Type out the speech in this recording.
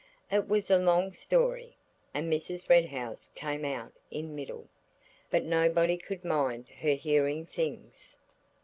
It was a long story, and Mrs. Red House came out in the middle, but nobody could mind her hearing things.